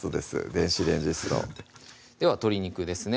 電子レンジストでは鶏肉ですね